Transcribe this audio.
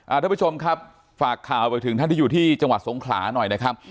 ท่านผู้ชมครับฝากข่าวไปถึงท่านที่อยู่ที่จังหวัดสงขลาหน่อยนะครับ